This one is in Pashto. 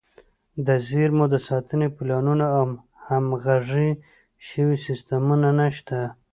د زیرمو د ساتنې پلانونه او همغږي شوي سیستمونه نشته.